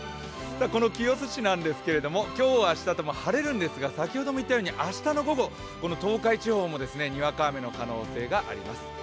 この清須市なんですけど、今日明日ともに晴れるんですけど先ほども言ったように明日の午後、東海地方でにわか雨の可能性があります。